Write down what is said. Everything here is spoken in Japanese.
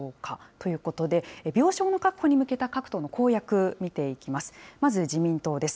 ということで、病床の確保に向けた各党の公約、見ていきます。